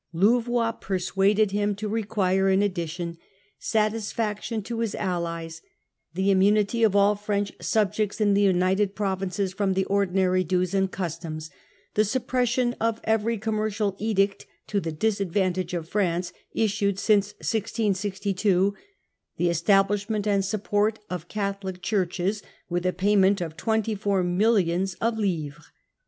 Louvojs persuaded him to require, in addition, satisfaction to his allies, the immunity of all French subjects in the United Provinces from the ordinary dues and customs, the suppression of every commercial edict to the disadvantage of France issued since 1662, the establishment and support of Catholic churches, with a payment of twenty four millions of livres.